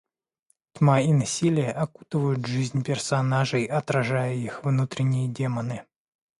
Тьма и насилие окутывают жизнь персонажей, отражая их внутренние демоны.